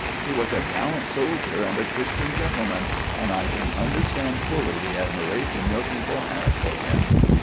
He was a gallant sol dier and a Christian gentleman, and I can understand fully the admiration your people have for him."